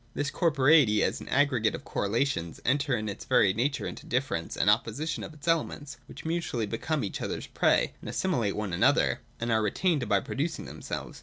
This corporeity, as an aggregate of correlations, enters in its very nature into difference and opposition of its elements, which mutually become each other's prey, and assimilate one another, and are re tained by producing themselves.